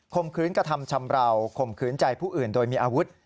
มขืนกระทำชำราวข่มขืนใจผู้อื่นโดยมีอาวุธ